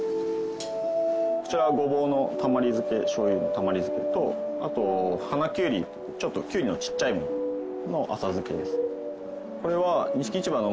こちらはごぼうのたまり漬け醤油のたまり漬けとあと花きゅうりちょっときゅうりのちっちゃいものの浅漬けです。